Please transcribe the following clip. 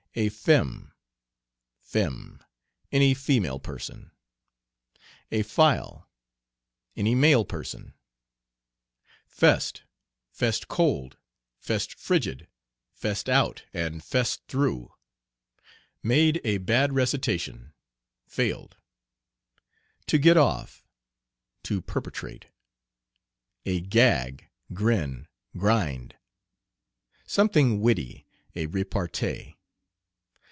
"A fem," "femme." Any female person. "A file." Any male person. "Fessed," "fessed cold," "fessed frigid," "fessed out," and "fessed through." Made a bad recitation, failed. "To get off." To perpetrate. "A gag," "Grin," "Grind." Something witty, a repartee.